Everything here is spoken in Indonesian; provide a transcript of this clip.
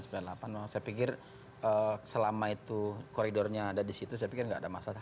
saya pikir selama itu koridornya ada di situ saya pikir tidak ada masalah